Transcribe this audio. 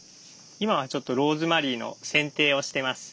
今はちょっとローズマリーの剪定をしてます。